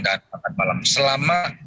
dan makan malam selama